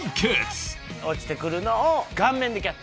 落ちてくるのを顔面でキャッチ。